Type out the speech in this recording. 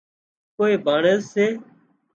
ڪوئي ڀانڻيز سي